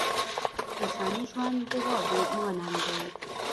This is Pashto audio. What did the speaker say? انساني ژوند د واورې مانند دی.